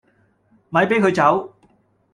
咪俾佢走